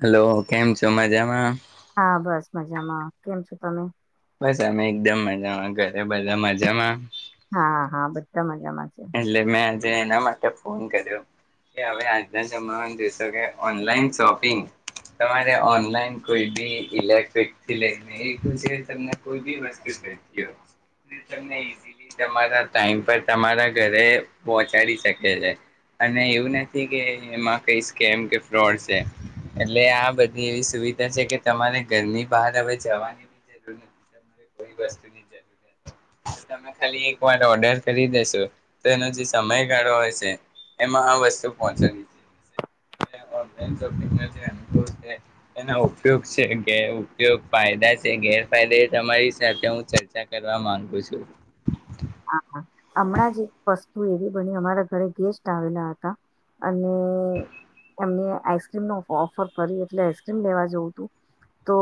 Hello કેમ છો મજામાં? હા બસ મજામાં. કેમ છો તમે? બસ અમે એકદમ મજામાં. ઘરે બધા મજામાં? હા હા બધા મજામા. એટલે મે એના માટે ફોન કર્યો, કે હવે આજના જમામાં જોઈશો કે ઓનલાઈન શોપિંગ, તમારે ઓનલાઈન કોઈ બી ઇલેક્ટ્રિકથી લઈને એ તમને કોઈ બી વસ્તુ લો હો તમને ઈઝલી તમારા ટાઈમ પર તમારા ઘ પહોચાડી શકે છે અને એવું નથી કે એમાં કઈ સ્કેમ કે ફ્રોડ છે એટલે આ બધી એવી સુવિધા છે, કે તમારે ઘરની બહાર હવે જવાનીી જરૂર નથી, કોઈ વસ્તુની જરૂર તમે ખાલી એક વાર ઓર્ડર કરી દેેશો. તો એનો જે સમયગાળો હોય છે એમાં આ વસ્તુ પહોચવીઈપુ છે એ ઉપયો છેેરયોગ ફાયદા છે ગેરફાયદા એ તમારી સાથે હું ચર્ચા કરવા માંગુ છું. હા હમણાં જ એક વસ્તુ એવી બની, અમારા ઘરે ગેસ્ટ આવેલા હતા, અને એમને આઈસ્ક્રીમ ન ઓફર કરી એટલે આઈસ્ક્રીમ લેવા જવું તું તો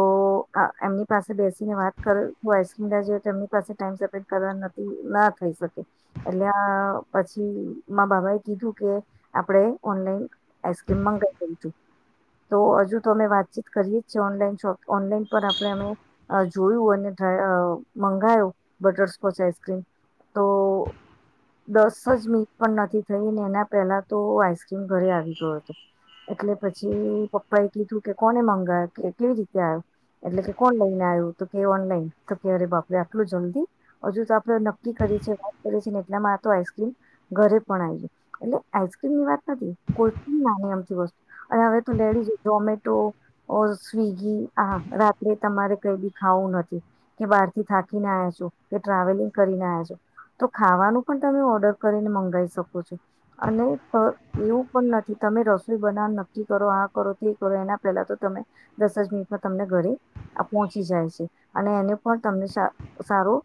એમની પાસે બેસીને વાત કરું આઈસ્ક્રીમ લ તો એમની પાસે ટાઈમ સેપરેટ કરવા નથી. ના થ એટલે પછી બાબા એ કીધું કે આપણે ઓનલાઈન આઈસ્ક્રીમ મંગાઈ દઉ છું, તો હજુ તો અમે વાતચીત કરીએ જ છે, ઓનલાઈન શોપ ઓનલાઈન પર આપણે અમે જોયું અને મંગાયો બટરસ્કોચ આ તો દસ જ મીનિટ પણ નથી થઈ, એના પહેલા તો આઈસક્રીમ ઘરે આવી ગયો હતો એટલે પછી પપ્પા એ કીધું કે કોને મગાવું કેવી રીતે આવ્યું એટલે કે કોણ લઈને આવ્યું તો કે ઓનલાઈન તો કે અરે બાપુ આટલું જલ્દી હજુ તો નકી વાતે છેને એટલામાં આ તો આઈસ્ક્રીમ ઘરે પણ આવી ગાય એટલે આઈસ્ક્રીમ ની વાત નથી કોઈ પણ નાની અમતી વસ્તુ અને હવે તું લેડીજ ઝોમેટો સ્વીગી આ રાત્રે તમારે કઈ બી ખાવું નથી કે બહાર થી થાકીને આવ્યા છો કે ટ્રાવેલિંગ કરીને આવ્યા છો તો ખાવાનું પણ તમે ઓર્ડર કરીને મંગાવી શકો છો અને એવું પણ નથી તમે રસોઈ બનાવવાનું નક્કી કરો આ કરો તો એ કરો એના પહેલા તો તમે દસ જ મિનિટમાં તમને ઘરે પહોંચી જાય છે અને એનો પણ તમને સારું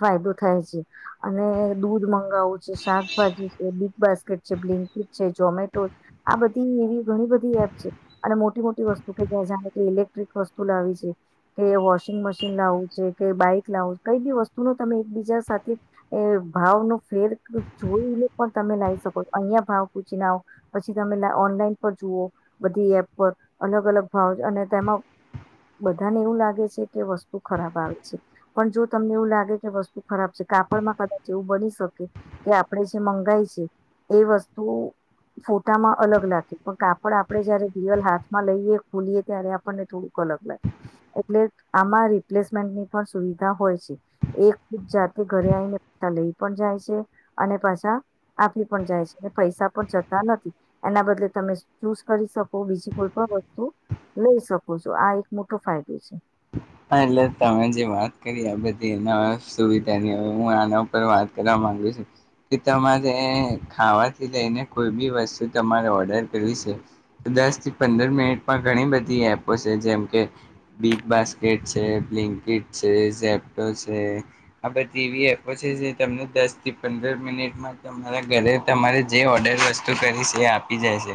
ફાયદો થાય છે, અને દૂધ મગાવવું છે શાકભાજી છે બિગ બાસ્કેટ છે બ્લિન્કીટ છે ઝોમેટો, આ બધી એવી ઘણી બધી એપ છે, અને મોટી મોટી વસ્તુ કે જાણે કે ઇલેક્ટ્રિક વસ્તુ લાવી છે, કે વોશિંગ મશીન લાવવું છે કે બાઈક લાવું કઈ બી વસ્તુ મે એકબીજા સાથે ભાવ નો ફેર જોઈને પણ તમે લાવી શકો અહીં ભાવ પૂછી ના આવ પછી તમે ઓનલાઈન પર જુઓ બધી એપ પર અલગ અલગ ભાવ અને તેમાં બધાને એવું લાગે છે કે વસ્તુ ખરાબ આવે છે પણ જો તમને એવું લાગે સ્ ખરાબ છે કાપડમાં કદાચ એવું બની શકે કે આપણે જે મંગાય છે એ વસ્તુ ફોટામાં અલગ લાગે પણ કાપડ આપડણે જયારે રિયલ હાથમાં લઈએ ખોલીએ ત્યારે આપણને થોડુંક અલગ લાગે એટલે આમાં રિપ્લેસમેન્ટની પણ સુવિધા હોય છે એક ખુદ જાતે ઘરે આવીઈને પૈસા લઈ પણ જાય છે અને પાછા આપી પણ જાય છે અને પૈસા પણ જતા નથી એના બદલે તમે ચૂઝ કરી શકો બીજી કોઈ પણ વસ્તુ લઈ શકો છો આ એક મોટો ફાયદો છે હા એટલે તમે જે વાત કરી આ બધી એના સુવિધાનીય હું આના ઉપર વાત કરવા માંગુ છું કે તમારે ખાવાથી લઈને કોઈ બી વસ્તુ તમારે ઓર્ડર કરવી છે દસ થી પંદર મિનિટ પણ ઘણી બધી એપો છે જેમ કે બિગ બાસ્કેટ છે બ્લિન્કેટ છે ઝેપો છે આ બધી એવી એપો છે જે તમને દસ થી પંદર મિનિટમાં તમારા ઘરે તમારે જે ઓર્ડર વસ્તુ કરી છે આપી જાયશે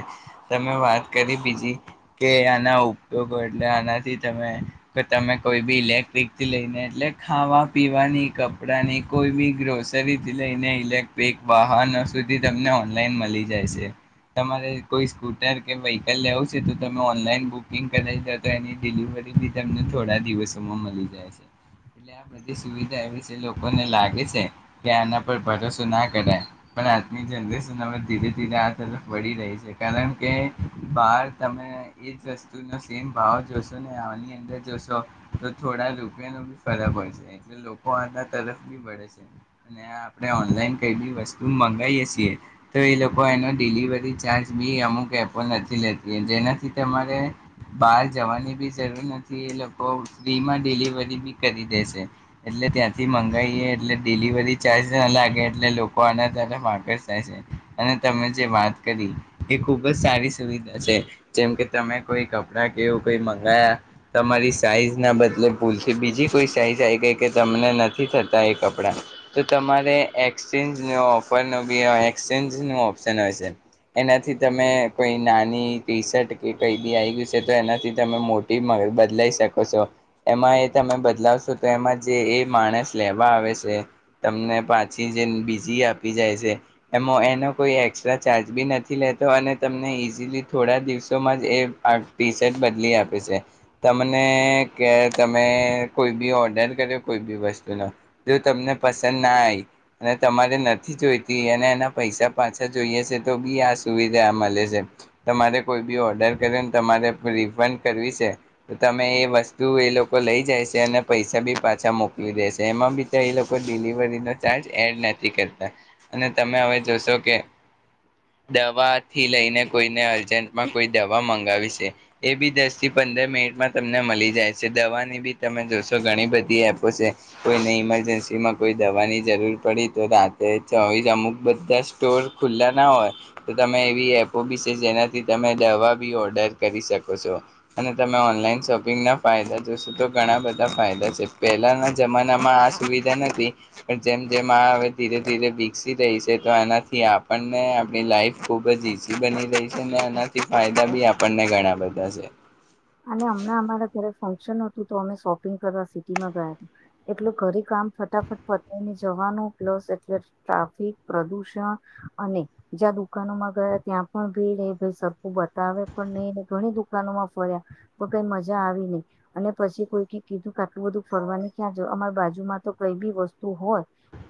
તમે વાત કરી બીજી કે આના ઉપયોગો એટલે આનાથી તમે કે તમે કોઈ બી ઇલેક્ટ્રિકથી લઈને એટલે ખાવા પીવાની કપડાંની કોઈ બી ગ્રોસરીથી લઈને ઇલેક્ટ્રિક વાહનો સુધી તમને ઓનલાઈન મળી જાય છે તમારે કોઈ સ્કૂટર કે વ્હીકલ લેવું છે તો તમે ઓનલાઈન બુકિંગ કરાવ દો તો એની ડિલિવરી તમને થોડા દિવસોમાં મળી જાય છે એટલે આ બધી સુવિધા એવી છે લોકોને લાગે છે કે આના પર ભરોસો ના કરાય પણ આજની જનરેશન ધીરે ધીરે આ તરફ વળી રહી છે કારણ કે બાર તમે એજ વસ્તુનો સેમ ભાવ જોશો ને જોશો તો થોડા રૂપિયાનો બી ફરક હોય છે એટલે લોકો આના તરફ બી ભળે છે અને આપણે ઓનલાઈન કઈ બી વસ્તુ મંગાવએ છીએ તો એ લોકો એનો ડિલિવરી ચાર્જ બી અમુક એપો નથી લેતી જેનાથી તમારે બહાર જવાની બી જરૂર નથી થી એ લોકો ફ્રીમાં ડિલિવરી બી કરી દે છે એટલે ત્યાંથી મંગાવીએ એટલે ડિલિવરી ચાર્જ ના લાગે એટલે લોકો આના તરફ આકર્ષ થાય છે અને તમે જે વાત કરી એ ખૂબ જ સારી સુવિધા છે જેમ કે તમે કોઈ કપડાં કેવું કોઈ મંગાયા તમારી સાઈઝના બદલે ભૂલથી બીજી કોઈ સાઈઝ આવી ગઈ કે તમને નથી થતા એ કપડાં તો તમારે એક્સચેન્જનો ઓફરનો બી એક્સચેન્જનું ઓપ્શન હશે એનાથી તમે કોઈ નાની ટી શર્ટ કે કંઈ બી આવી ગયું છે તો એનાથી તમે મોટી મબત બદલાઈ શકો છો એમાં એ તમે બદલાવશો તો એમાં જે એ માણસ લેવા આવે છે તમને પાછી જે બીજી આપી જાય છે એમાં એનો કોઈ એક્સ્ટ્રા ચાર્જ બી નથી લેતો અને તમને ઈઝીલી થોડા દિવસોમાં જ એ આ ટી શર્ટ બદલી આપે છે તમને કે તમે કોઈ બી ઓર્ડર કર્યો કોઈ બી વસ્તુનો જો તમને પસંદ ના આવી અને તમારે નથી જોઈતી અને એના પૈસા પાછા જોઈએ છે તો બી આ સુવિધા મળે છે તમારે કોઈ બી ઓર્ડર કર્યોને તમારે રિફંડ કરવી છે તો તમે એ વસ્તુ એ લોકો લઈ જાય છે અને પૈસા બી પાછા મોકલી દેશે એમાં બી તો એ લોકો ડિલિવરીનો ચાર્જ એડ નથી કરતા અને તમે હવે જોશો કે દવાથી લઈને કોઈને અર્જન્ટમાં કોઈ દવા મંગાવી છે એ બી દસ થી પંદર મિનિટ એમાં તમને મળી જાય છે દવાની બી તમે જોશો ઘણી બધી એપો છે કોઈને ઇમરજન્સીમાં કોઈ દવાની જરૂર પડી તો રાતે ચોવી જ અમુક બધા સ્ટોર ખુલ્લા ના હોય તો તમે એવી એપો બી છે જેનાથી તમે દવા બી ઓર્ડર કરી શકો છો અને તમે ઓનલાઈન શોપિંગના ફાયદા જોશો તો ઘણા બધા ફાયદા છે પહેલાના જમાનામાં આ સુવિધા નથી પણ જેમ જેમ આ હવે ધીરે ધીરે વિકસી રહી છે તો આનાથી આપણને આપણી લાઈફ ખૂબ જ ઈઝી બની રહી છે અને એનાથી ફાયદા બી આપણને ઘણા બધા છે અને હમણાં અમારા તરફ ફંક્શન હતું તો અમે શોપિંગ કરવા સિટીમાં ગયા એટલે ઘરે કામ ફટાફટ પતાવીને જવાનું પ્લસ એટલે ટ્રાફિક પ્રદુષણ અને જ્યાં દુકાનોમાં ગયા ત્યાં પણ ભીડ એ ભાઈ સરખું બતાવે પણ નહીં ઘણી દુકાનોમાં ફર્યા તો કઈ મજા આવી નહી અને પછી કોઈ કીધું કે આટલું બધું ફરવાની ક્યાં જ અમારી બાજુમાં તો કઈ બી વસ્તુ હોય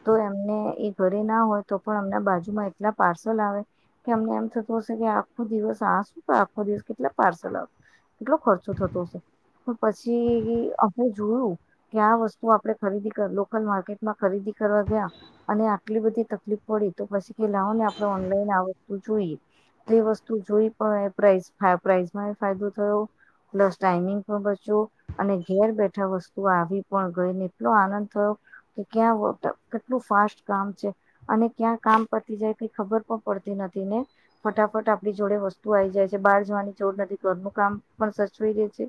તો એમને એ ઘરે ના હોય તો પણ અમના બાજુમાં એટલા પાર્સલ આવે કે અમને એમ થતું હશે કે આખો દિવસ આ શું તો આખો દિવસ કેટલા પાર્સલ આવશે કેટલો ખર્ચો થતો હશે પણ પછી આપણે જોયું કે આ વસ્તુ આપડે ખરીદી લોકલ માર્કેટમાં ખરીદી કરવા ગયા અને આટલી બધી તકલીફ પડી તો પછી કે લાવ ને આપણે ઓનલાઈન આ વસ્તુ જોઈએ તો એ વસ્તુ જોઈ પણ પ્રસ પ્રાાઈસમાં એ ફાયદો થયો પ્લસ ટાઈમિંગ પણ બચ્યો અને ઘેર બેઠા વસ્તુ આવી પણ ગઈને એટલો આનંદ થયો કે ક્યાં કેટલું ફાસ્ટ કામ છે અને ક્યાં કામ પતી જાય કઈ ખબર પણ પડતી નથી ને ફટાફટ આપણી જોડે વસ્તુ આવી જાય છે બહાર જવાની જોરૂર નથી ઘરનું કામ પણ સચવાઈ જાય છે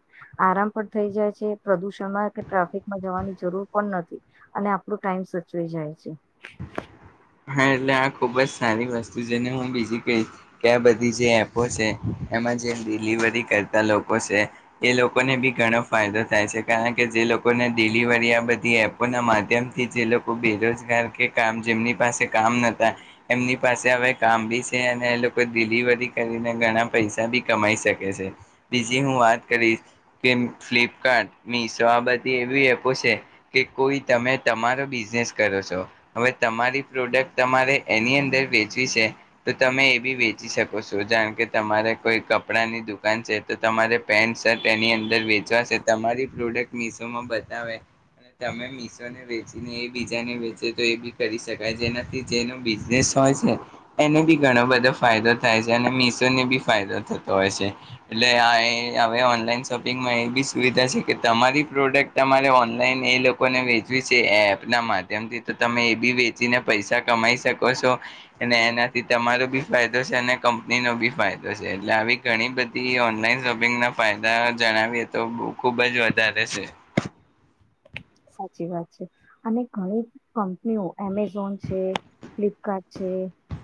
આરામ પણ થઈ જાય છે પ્રદુષણમાં કે ટ્રાફિકમાં જવાની જરૂર પણ નથી અને આપણો ટાઈમ સચવાઈ જાય છે. હા એટલે આ ખૂબ જ સારી વસ્તુ છેને હું બીજી કહીશ કે આ બધી જે એપો છે એમાં જેમ ડિલિવરી કરતા લોકો છે એ લોકોને બી ઘણો ફાયદો થાય છે કારણ કે જે લોકોને ડિલિવરી આ બધી એપોના માધ્યમથી જે લોકો બેરોજગાર કે કામ જેમની. પાસે કામ નતા એમની પાસે હવે કામ બી છે અને એ લોકો ડિલિવરી કરીને ઘણા પૈસા બી કમાઈ શકે છે બીજી હું વાત કરીશ કે ફ્લિપકાર્ટ મિશો આ બધી એવી એપો છે કે કોઈ તમે તમારો બિઝનેસ કરો છો હવે તમારી. પ્રોડક્ટ તમારે એની અંદર વેચવી છે તો તમે એ બી વેચી શકો છો જાણ કે તમારે કોઈ કપડાંની દુકાન છે તો તમારે પેન્ટ શર્ટ એની અંદર વેચવાશે તમારી પ્રોડક્ટ મિશોમાં બતાવે અને તમે મિશોને વેચીને એ બીજાને વેચે તો એ બી કરી શકો. કે જેનાથી જેનો બિઝનેસ હોય છે એને બી ઘણો બધો ફાયદો થાય છે અને મીશોને બી ફાયદો થતો હોય છે એટલે આ હવે ઓનલાઈન શોપિંગમાં એ બી સુવિધા છે કે તમારી પ્રોડક્ટ તમારે ઓનલાઈન એ લોકોને વેચવી છે એપના માધ્યમથી તો તમે એ બી વેચ. ચીને પૈસા કમાઈ શકો છો અને એનાથી તમારો બી ફાયદો છે અને કંપની નો બી ફાયદો છે એટલે આવી ઘણી બધી ઓનલાઈન શોપિંગ ના ફાયદા જણાવીએ તો ખુબ જ વધારે છે. સાચી વાત છે અને ઘણી કંપનીઓ એમેઝોન છે ફ્લિપકાર્ટ છે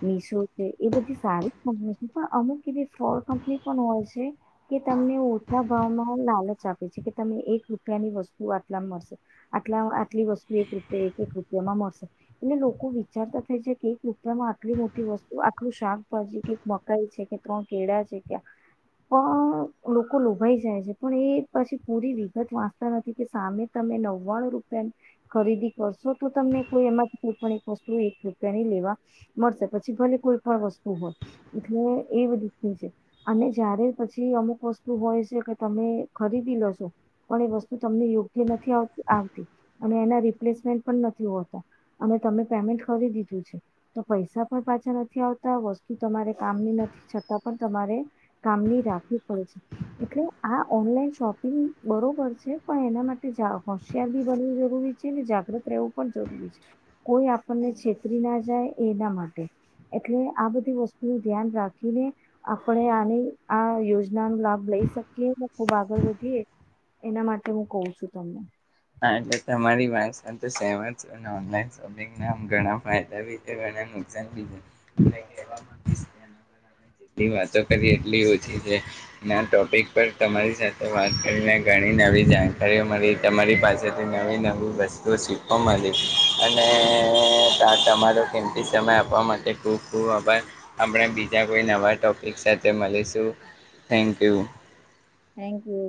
મિશો છે એ બધી સારી કંપની છે પણ અમુક એવી ફોળ કંપની પણ હોય છે. કે તમને ઓછા. ભાવમાં લાલચ આપે છે કે તમે એક રૂપિયાની વસ્તુ આટલા મળશે. આ આટલી વસ્તુ એક રૂપિયા એક એક રૂપિયામાં મળશે એટલે લોકો વિચારતા થાય છે કે એક રૂપિયામાં આટલી મોટી વસ્તુ આટલું શાકભાજી કે એક મકાઈ છે કે ત્રણ કેળા છે ક પણ લોકો લોભાઈ જાય છે પણ એ પછી પૂરી વિગત વાંચતા નથી કે સામે તમે નવ. નવાણું રૂપિયા ખરીદી કરશો તો તમને કોઈ એમાંથી કોઈ પણ એક વસ્તુ એક રૂપિયાની લેવા મળશે પછી ભલે કોઈ પણ વસ્તુ હોય એટલે એ બધીની છે અને જયારે પછી અમુક વસ્તુ હોય છે કે તમે ખરીદી લજો પણ એ વસ્તુ તમને યોગ્ય નથી આવતી. આવતી અને એના રિપ્લેસમેન્ટ પણ નથી હોતા અને તમે પેમેન્ટ કરી દીધું છે તો પૈસા પણ પાછા નથી આવતા વસ્તુ તમારે કામની નથી છતાં પણ તમારે કામની રાખવી પડે છે એટલે આ ઓનલાઈન શોપિંગ બરોબર છે પણ એના માટે જાઓ. હોશિયાર બી બનવું જરૂરી છે અને જાગૃત રહેવું પણ જરૂરી છે કોઈ આપણને છેતરી ના જાય એના માટે એટલે આ બધી વસ્તુ નું ધ્યાન રાખીને આપણે આની આ યોજનનો લાભ લઈ શકીએ ખુબ આગળ વધીએ એના માટે હું કહું છું તમને. હા એટલે તમારી વાત સાથે સેમત છું ઓનલાઈન સોપીગના ઘણા ફાયદા છે આ ટોપિક પર વાતો કરીએં એટલી ઓછી છે ટોપિક પર તમારી સાથે વાત કરીને ઘણી નવી જાણકારીઓ મળી તમારી. પાસેથી નવી નવી વસ્તુ શીખવા મળી અને તમારો કિંમતી સમય આપવા માટે ખૂબ ખૂબ આભાર આપણે બીજા કોઈ નવા ટોપિક સાથે મળીશું થેન્ક યુ. Thank you.